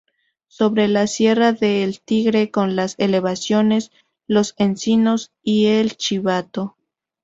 Sobre la sierra de El Tigre, con las elevaciones: Los Encinos y El Chivato.